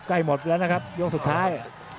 หมดแล้วนะครับยกสุดท้าย